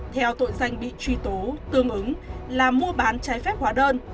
theo tội danh bị truy tố tương ứng là mua bán trái phép hóa đơn